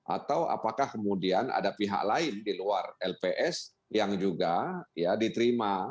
atau apakah kemudian ada pihak lain di luar lps yang juga diterima